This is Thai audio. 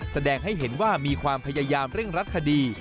แสดงให้เห็นว่ามีความพยายามเร่งรัดคดี